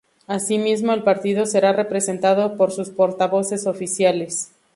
Asimismo, el partido será representado por sus portavoces oficiales.